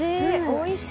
おいしい！